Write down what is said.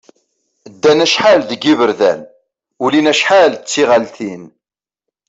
Ddan acḥal deg yiberdan, ulin acḥal d tiɣalin.